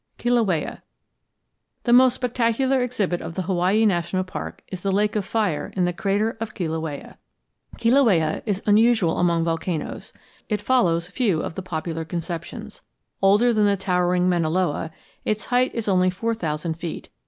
KILAUEA The most spectacular exhibit of the Hawaii National Park is the lake of fire in the crater of Kilauea. Kilauea is unusual among volcanoes. It follows few of the popular conceptions. Older than the towering Mauna Loa, its height is only four thousand feet.